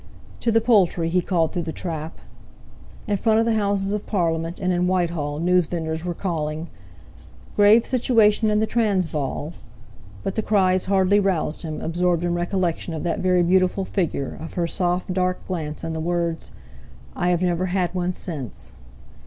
"To the Poultry," he called through the trap. In front of the Houses of Parliament and in Whitehall, newsvendors were calling, "Grave situation in the Transvaal!" but the cries hardly roused him, absorbed in recollection of that very beautiful figure, of her soft dark glance, and the words: "I have never had one since."